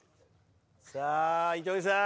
さぁ糸井さん。